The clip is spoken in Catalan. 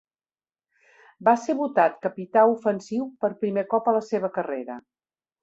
Va ser votat capità ofensiu per primer cop a la seva carrera.